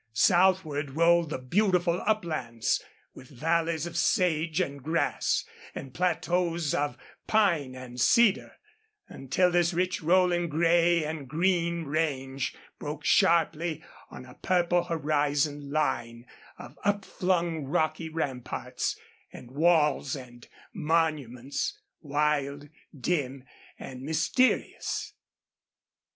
Southward rolled the beautiful uplands, with valleys of sage and grass, and plateaus of pine and cedar, until this rich rolling gray and green range broke sharply on a purple horizon line of upflung rocky ramparts and walls and monuments, wild, dim, and mysterious.